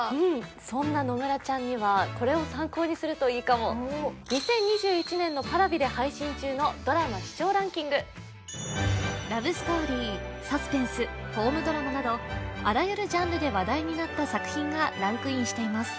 そんな野村ちゃんにはこれを参考にするといいかも２０２１年のＰａｒａｖｉで配信中のドラマ視聴ランキングラブストーリーサスペンスホームドラマなどあらゆるジャンルで話題になった作品がランクインしています